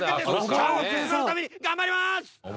今日も地元のために頑張ります！